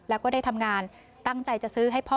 แล้วก็ได้ทำงานตั้งใจจะซื้อให้พ่อ